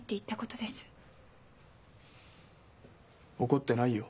怒ってないよ。